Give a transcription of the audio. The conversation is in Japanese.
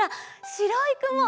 しろいくも！